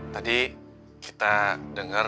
tadi kita denger